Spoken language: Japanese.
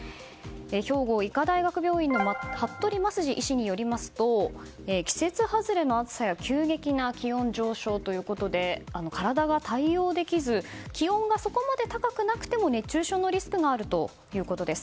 兵庫医科大学病院の服部益治医師によりますと季節外れの暑さや急激な気温上昇ということで体が対応できず気温がそこまで高くなくても熱中症のリスクがあるということです。